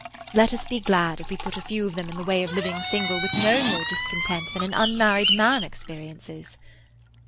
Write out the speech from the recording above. Let us be glad if we put a few of them in the way of living single with no more discontent than an unmarried man experiences."